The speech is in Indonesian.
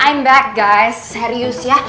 i'm back guys serius ya